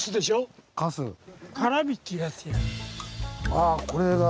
ああこれが。